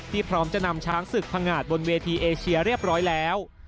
พร้อมจะนำช้างศึกพังงาดบนเวทีเอเชียเรียบร้อยแล้ว